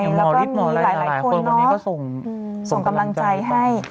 แล้วก็มีหลายคนเนาะส่งกำลังใจให้